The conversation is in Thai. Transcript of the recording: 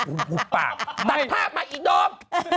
หูปากตัดภาพไหมอีกโดบ